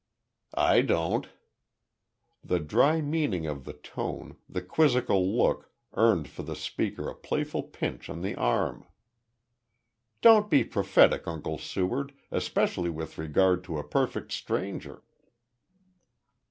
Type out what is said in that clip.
"I don't." The dry meaning of the tone, the quizzical look, earned for the speaker a playful pinch on the arm. "Don't be prophetic, Uncle Seward, especially with regard to a perfect stranger."